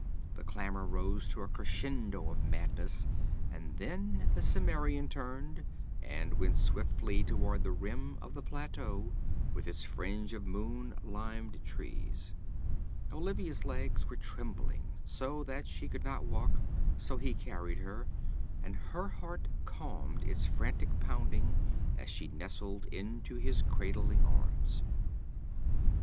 The clamor rose to a crescendo of madness, and then the Cimmerian turned and went swiftly toward the rim of the plateau, with its fringe of moon limned trees. Olivia's legs were trembling so that she could not walk; so he carried her, and her heart calmed its frantic pounding as she nestled into his cradling arms.